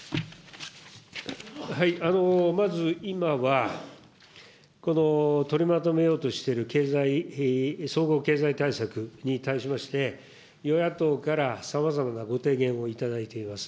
まず今は、取りまとめようとしている総合経済対策に対しまして、与野党からさまざまなご提言を頂いています。